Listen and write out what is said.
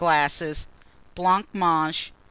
glasses. Blancmange.